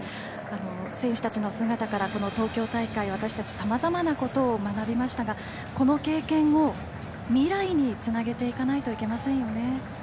選手たちの姿から東京大会私たち、さまざまなことを学びましたがこの経験を未来につなげていかないといけませんよね。